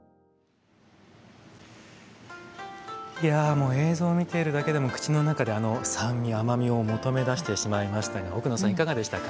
もう映像を見ているだけでも口の中であの酸味甘みを求めだしてしまいましたが奥野さんいかがでしたか？